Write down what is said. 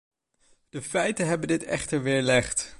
De feiten hebben dit echter weerlegd.